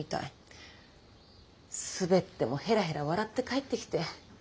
スベってもヘラヘラ笑って帰ってきて。